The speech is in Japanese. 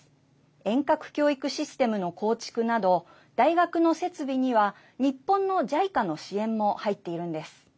遠隔教育システムの構築など大学の設備には日本のＪＩＣＡの支援も入っているんです。